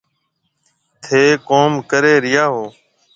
ٿَي ڪوم ڪري ريا هو۔